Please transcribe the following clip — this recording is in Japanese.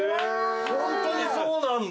ホントにそうなんだ。